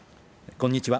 こんにちは。